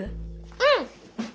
うん！